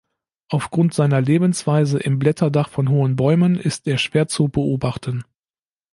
Aufgrund seiner Lebensweise im Blätterdach von hohen Bäumen ist er schwer zu beobachten.